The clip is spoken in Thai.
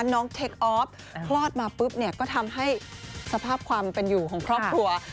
น้องเทคออฟคลอดมาปุ๊บเนี่ยก็ทำให้สภาพความเป็นอยู่ของครอบครัว